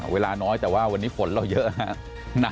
เวลาน้อยแต่ว่าวันนี้ฝนเราเยอะ